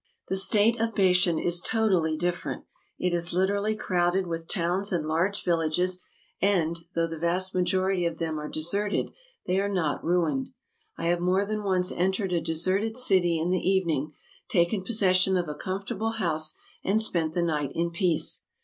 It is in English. The state of Bashan is totally different; it is literally crowded with towns and large villages, and, though the vast majority of them are deserted, they are not ruined. I have more than once entered a deserted city in the evening, taken possession of a comfortable house, and spent the night in peace.